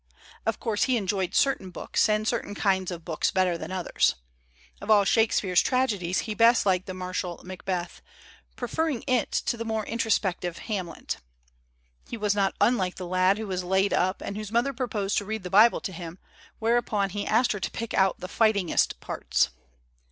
Of course, he en joyed certain books, and certain kinds of books better than others. Of all Shakspere's tragedies he best liked the martial 'Macbeth/ preferring it to the more introspective 'Hamlet/ He was not unlike the lad who was l;uM up and whose mother proposed to read the Bible to him, whereupon he asked her to pick out "the fight ingest parts."